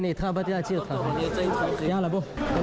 เหรอครับคุณพุทธครับที่เรียกว่าก่อน